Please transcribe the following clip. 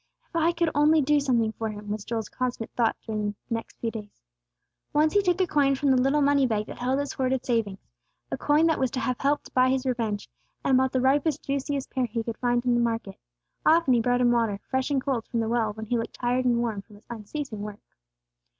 "If I could only do something for Him!" was Joel's constant thought during the next few days. Once he took a coin from the little money bag that held his hoarded savings a coin that was to have helped buy his revenge and bought the ripest, juiciest pear he could find in the market. Often he brought Him water, fresh and cold from the well when He looked tired and warm from His unceasing work.